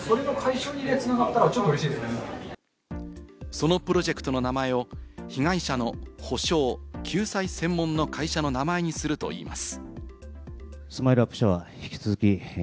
そのプロジェクトの名前を被害者の補償・救済専門の会社の名前にするといいます。